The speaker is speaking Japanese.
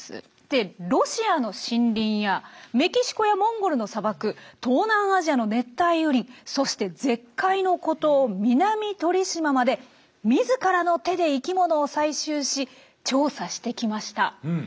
でロシアの森林やメキシコやモンゴルの砂漠東南アジアの熱帯雨林そして絶海の孤島南鳥島まで自らの手で生きものを採集し調査してきました。